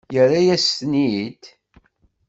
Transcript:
Yerra-yasen-ten-id?